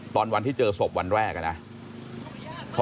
ตอนวันที่เจอศพวันแรก